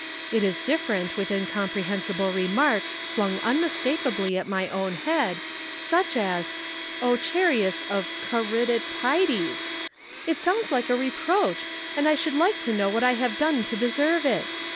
It is different with incomprehensible remarks flung unmistakably at my own head such as "'O chariest of Caryatides.' It sounds like a reproach and I should like to know what I have done to deserve it.